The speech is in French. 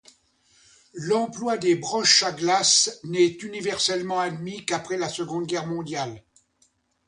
L'emploi des broches à glace n'est universellement admis qu'après la Seconde Guerre mondiale.